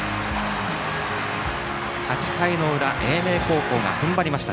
８回の裏英明高校が踏ん張りました。